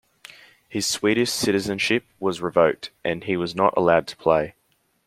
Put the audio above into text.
His Swedish citizenship was revoked and he was not allowed to play.